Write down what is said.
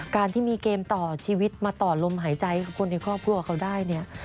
การที่มีเกมต่อชีวิตมาต่อลมหายใจคนในครอบครัวเขาได้เนี่ย